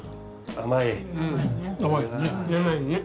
甘いね。